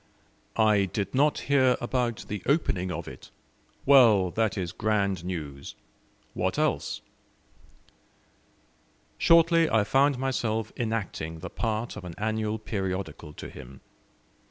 "I did not hear about the opening of it. Well, that is grand news! What else?" Shortly I found myself enacting the part of an annual periodical to him.